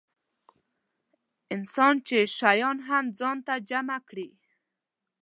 انسان چې شیان هم ځان ته جمع کړي.